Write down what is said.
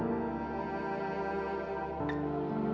kamu harus mencoba untuk mencoba